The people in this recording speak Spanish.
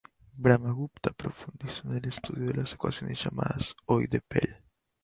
Brahmagupta profundizó en el estudio de las ecuaciones llamadas hoy de Pell.